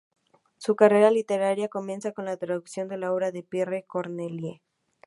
Su carrera literaria comienza con la traducción de la obra de Pierre Corneille.